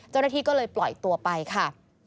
เจ้าหน้าที่ก็เลยปล่อยตัวไปค่ะ